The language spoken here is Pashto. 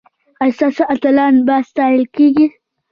ایا ستاسو اتلان به ستایل کیږي؟